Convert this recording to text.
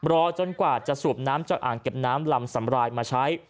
รอจนกว่าจะสูบน้ำจากอ่างเก็บน้ำลำสำรายมาใช้